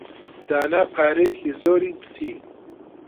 دانا پارەیەکی زۆری دزی.